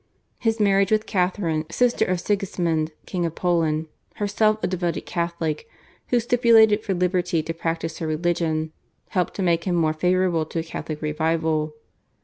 His marriage with Catharine, sister of Sigismund, King of Poland, herself a devoted Catholic, who stipulated for liberty to practice her religion, helped to make him more favourable to a Catholic revival.